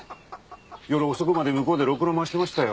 夜遅くまで向こうでろくろ回してましたよ